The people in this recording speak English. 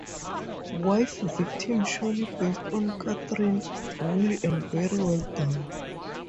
Wife-victim surely based on Katherine Woolley, and very well done.